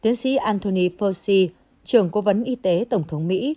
tiến sĩ anthony poshi trưởng cố vấn y tế tổng thống mỹ